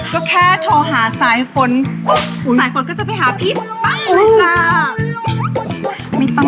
ก็ก็คนมันชอบอ่ะ